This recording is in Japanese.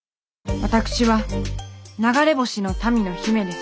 私は流れ星の民の姫です。